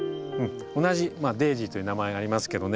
同じデージーという名前がありますけどね。